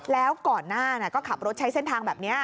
แล้วก่อนหน้าก็ขับรถใช้เส้นทางแบบนี้